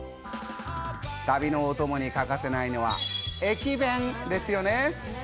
旅のお供に欠かせないのは駅弁ですよね。